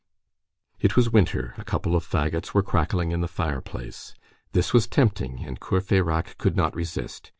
It was winter; a couple of fagots were crackling in the fireplace. This was tempting, and Courfeyrac could not resist.